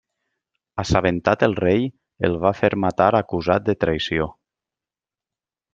Assabentat el rei, el va fer matar acusat de traïció.